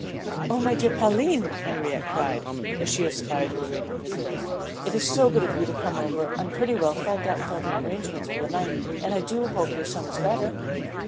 "Oh, my dear Pauline!" Henriette cried, as she espied her waiting visitor. "It is so good of you to come over. I'm pretty well fagged out with all the arrangements for the night and I do hope your son is better."